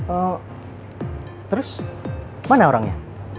oh terus mana orangnya